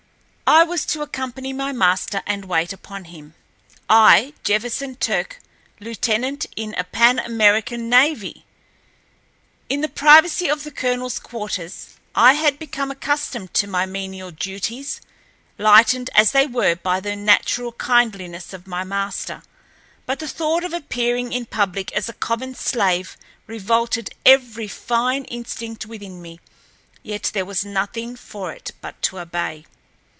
I was to accompany my master and wait upon him—I, Jefferson Turck, lieutenant in the Pan American navy! In the privacy of the colonel's quarters I had become accustomed to my menial duties, lightened as they were by the natural kindliness of my master, but the thought of appearing in public as a common slave revolted every fine instinct within me. Yet there was nothing for it but to obey.